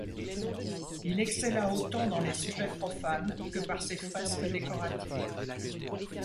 Il excella autant dans les sujets profanes que par ses fresques décoratives.